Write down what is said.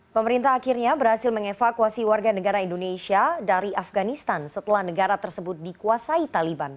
pemerintah akhirnya berhasil mengevakuasi warga negara indonesia dari afganistan setelah negara tersebut dikuasai taliban